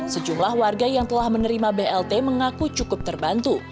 sejumlah warga yang telah menerima blt mengaku cukup terbantu